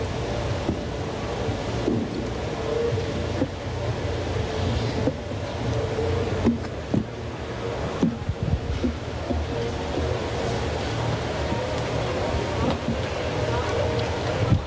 สวัสดีครับสวัสดีครับ